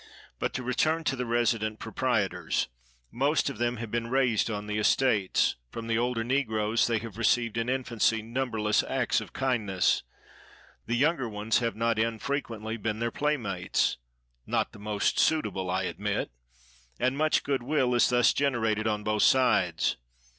But, to return to the resident proprietors: most of them have been raised on the estates; from the older negroes they have received in infancy numberless acts of kindness; the younger ones have not unfrequently been their playmates (not the most suitable, I admit), and much good will is thus generated on both sides.